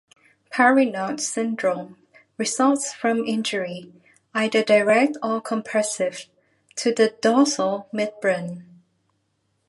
Parinaud's Syndrome results from injury, either direct or compressive, to the dorsal midbrain.